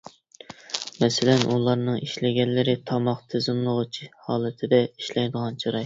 مەسىلەن:. ئۇلارنىڭ ئىشلىگەنلىرى تاماق تىزىملىغۇچ ھالىتىدە ئىشلەيدىغان چىراي.